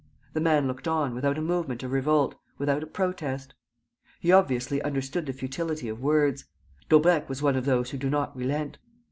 The man looked on, without a movement of revolt, without a protest. He obviously understood the futility of words. Daubrecq was one of those who do not relent.